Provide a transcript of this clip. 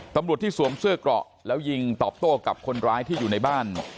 ตำรวจที่สวมเสื้อเกราะแล้วยิงตอบโต้กับคนร้ายที่อยู่ในบ้าน